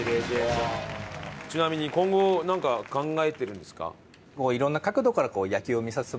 ちなみに今後なんか考えてるんですか？